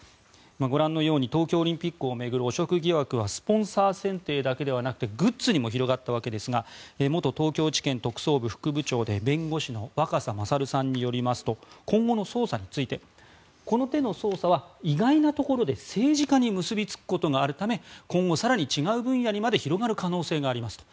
ご覧のように東京オリンピックを巡る汚職事件はスポンサー選定だけではなくてグッズにも広がったわけですが元東京地検特捜部副部長で弁護士の若狭勝さんによりますと今後の捜査についてこの手の捜査は意外なところで政治家に結びつくことがあるため今後、更に違う分野にまで広がる可能性がありますと。